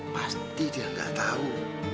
pasti dia gak tau